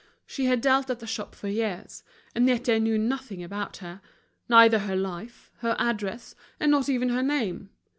She had dealt at the shop for years, and yet they knew nothing about her—neither her life, her address, and not even her name.